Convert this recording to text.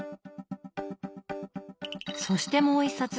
そしてもう一冊。